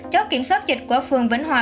chốt kiểm soát dịch của phường vĩnh hòa